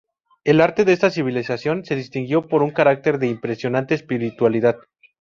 El arte de esta civilización se distinguió por un carácter de impresionante espiritualidad.